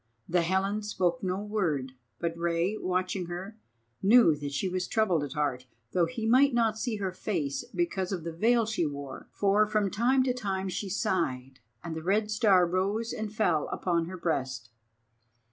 The Helen spoke no word, but Rei, watching her, knew that she was troubled at heart, though he might not see her face because of the veil she wore; for from time to time she sighed and the Red Star rose and fell upon her breast.